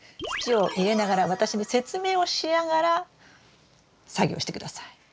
土を入れながら私に説明をしながら作業して下さい。